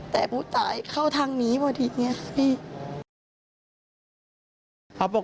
แต่ผู้ตายเข้าทางนี้พอดีเนี่ยครับพี่